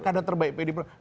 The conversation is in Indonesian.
kadar terbaik pdi perjuangan